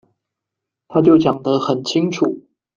他就講得很清楚